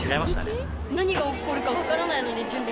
何が起こるか分からないのに準備万端。